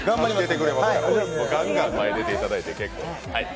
ガンガン前に出ていただいて結構です。